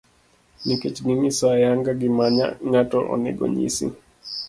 nikech ginyiso ayanga gima ng'ato onego nyisi.